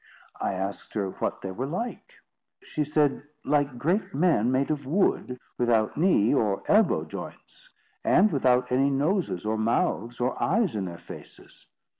I asked her what they were like. She said, like great men, made of wood, without knee or elbow joints, and without any noses or mouths or eyes in their faces.